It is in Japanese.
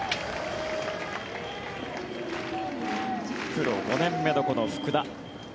プロ５年目の、この福田。